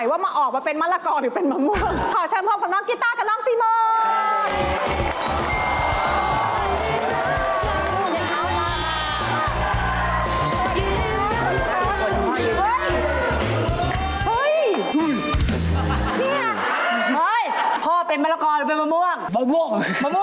ว่าหนูมะละกอหรือมะม่ว่างลูกครับครับ